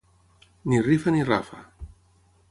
Ni rifa ni rafa.